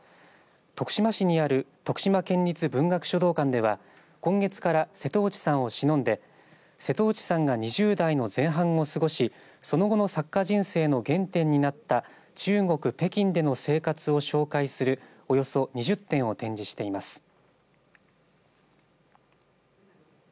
徳島市にある徳島県立文学書道館では今月から瀬戸内さんをしのんで瀬戸内さんが２０代の前半を過ごしその後の作家人生の原点になった中国、北京での生活を紹介するおよそ２０点を展示しています。